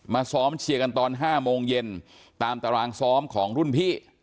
ซ้อมเชียร์กันตอน๕โมงเย็นตามตารางซ้อมของรุ่นพี่